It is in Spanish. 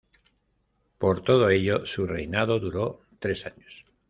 Por todo ello su reinado duró tres años.